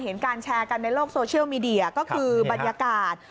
การแชร์กันในโลกโซเชียลมีเดียก็คือบรรยากาศ